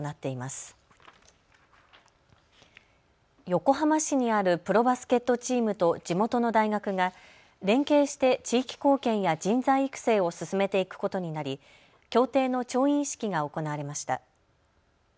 横浜市にあるプロバスケットチームと地元の大学が連携して地域貢献や人材育成を進めていくことになり協定の調印式が行われました。